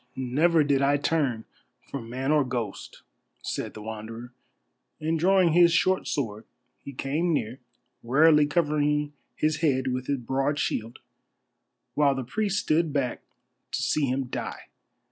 "Never did I turn from man or ghost," said the Wanderer, and drawing his short sword he came near, warily covering his head with his broad shield, while the priests stood back to see him die.